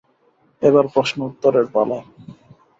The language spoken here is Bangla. এবার প্রশ্ন উত্তরের পালা।